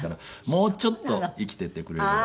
もうちょっと生きていてくれればと。